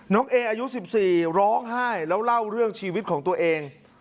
เออายุ๑๔ร้องไห้แล้วเล่าเรื่องชีวิตของตัวเอง